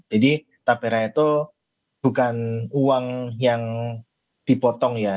jadi tapera itu bukan uang yang dipotong ya